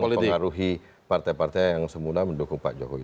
akan menjadi pengaruhi partai partai yang semudah mendukung pak jokowi